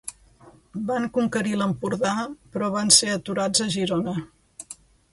Van conquerir l'Empordà però van ser aturats a Girona.